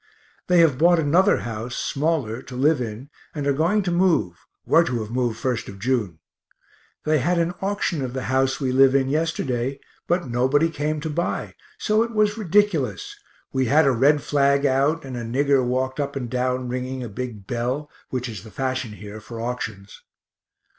They have bought another house, smaller, to live in, and are going to move (were to have moved 1st of June). They had an auction of the house we live in yesterday, but nobody came to buy, so it was ridiculous we had a red flag out, and a nigger walked up and down ringing a big bell, which is the fashion here for auctions.